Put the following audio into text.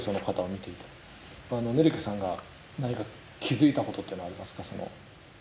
ネルケさんが何か気付いたことというのはありますか？